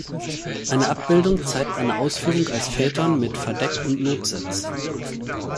Eine Abbildung zeigt eine Ausführung als Phaeton mit Verdeck und Notsitz.